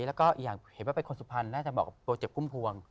แล้วก็อย่างเห็นว่าเป็นคนสุพรรณแน่ใจบอกตัวเจ็บกุ้มพวง